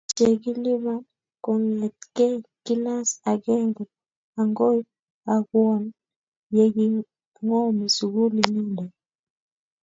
Chekilipan kongetkei kilas agenge agoi angwan yekingomi sukul inendet